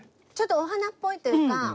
ちょっとお花っぽいというか。